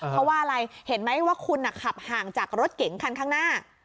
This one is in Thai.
เพราะว่าอะไรเห็นไหมว่าคุณขับห่างจากรถเก๋งคันข้างหน้า